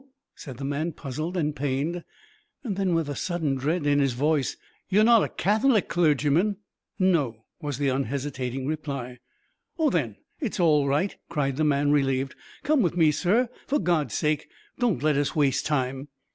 said the man, puzzled and pained. Then with a sudden dread in his voice: "You're not a Catholic clergyman?" "No," was the unhesitating reply. "Oh, then it's all right!" cried the man, relieved. "Come with me, sir, for God's sake. Don't let us waste time."